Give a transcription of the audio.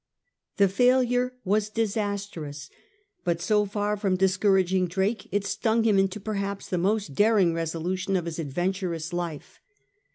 The failure was disastrous ; but so far from discouraging Drake, it stung him into perhaps the most daring resolution of his adventurous life.